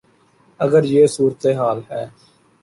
اگر یہ صورتحال ہے۔